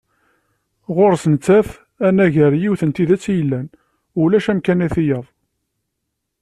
Ɣur-s nettat, anagar yiwet n tidet i yellan, ulac amkan i tayeḍ.